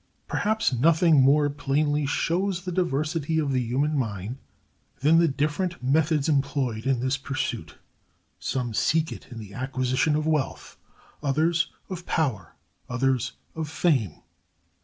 Perhaps nothing more plainly shows the diversity of the human mind than the different methods employed in this pursuit. Some seek it in the acquisition of wealth; others, of power; others, of fame.